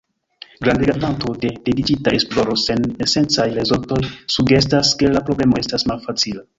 Grandega kvanto de dediĉita esploro sen esencaj rezultoj sugestas ke la problemo estas malfacila.